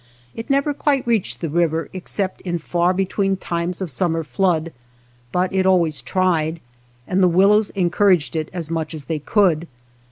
It never quite reached the river except in far between times of summer flood, but it always tried, and the willows encouraged it as much as they could.